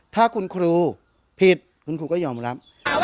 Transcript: ถ้าคุณครูผิดคุณครูก็ยอมรับ